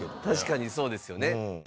確かにそうですよね。